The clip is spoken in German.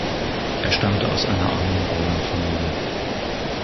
Er stammte aus einer armen Bauernfamilie.